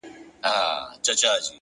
لوړ شخصیت له کوچنیو کارونو څرګندیږي’